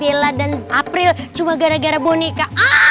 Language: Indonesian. bella dan april cuma gara gara bonika